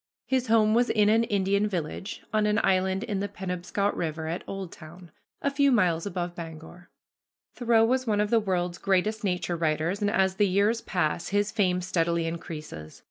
His home was in an Indian village on an island in the Penobscot River at Oldtown, a few miles above Bangor. Thoreau was one of the world's greatest nature writers, and as the years pass, his fame steadily increases.